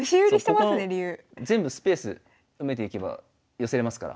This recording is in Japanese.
ここの全部スペース埋めていけば寄せれますから。